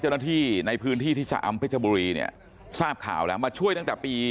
เจ้าหน้าที่ในพื้นที่ที่ชะอำเพชรบุรีเนี่ยทราบข่าวแล้วมาช่วยตั้งแต่ปี